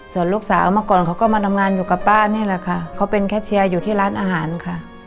ส่วนลูกสาวเมื่อก่อนเขาก็มาทำงานอยู่กับป้านี่แหละค่ะเขาเป็นแค่เชียร์อยู่ที่ร้านอาหารค่ะ